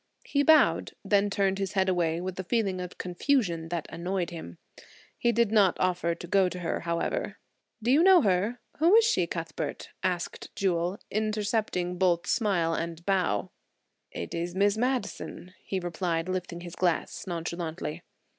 He bowed, then turned his head away with a feeling of confusion that annoyed him. He did not offer to go to her, however. "Do you know her? Who is she, Cuthbert?" asked Jewel, intercepting both smile and bow. "It is Miss Madison," he replied, lifting his glass nonchalantly.